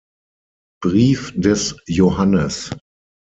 Brief des Johannes